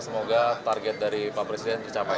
semoga target dari pak presiden tercapai